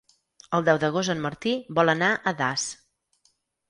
El deu d'agost en Martí vol anar a Das.